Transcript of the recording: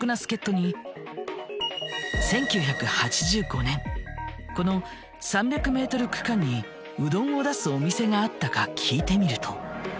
１９８５年この３００ｍ区間にうどんを出すお店があったか聞いてみると。